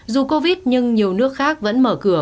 dù covid nhưng nhiều nước khác vẫn mở cửa